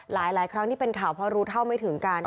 หลายครั้งที่เป็นข่าวเพราะรู้เท่าไม่ถึงกัน